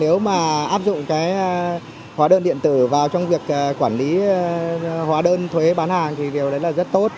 nếu mà áp dụng cái hóa đơn điện tử vào trong việc quản lý hóa đơn thuế bán hàng thì điều đấy là rất tốt